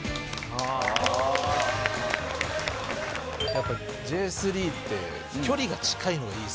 やっぱＪ３って距離が近いのがいいですよね。